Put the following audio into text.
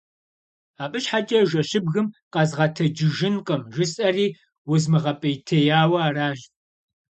Абы щхьэкӀэ жэщыбгым къэзгъэтэджыжынкъым, жысӀэри узмыгъэпӀейтеяуэ аращ.